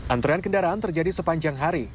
antrean kendaraan terjadi sepanjang hari